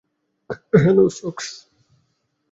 Hello, সোকস।